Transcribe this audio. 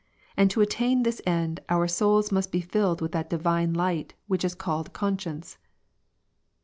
And to attain this end, our souls must be filled with that Divine light which is called conscience."